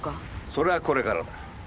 それはこれからだ。